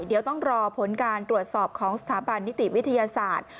เดี๋ยวต้องรอผลการตรวจสอบของสถาบันนิติวิทยาศาสตร์